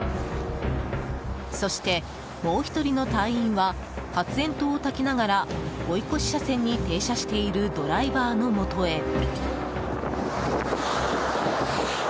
そして、もう１人の隊員は発炎筒をたきながら追い越し車線に停車しているドライバーのもとへ。